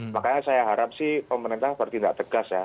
makanya saya harap sih pemerintah bertindak tegas ya